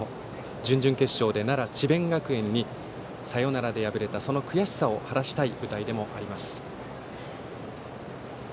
準々決勝で奈良・智弁学園にサヨナラで敗れたその悔しさを晴らしたい舞台でもあります。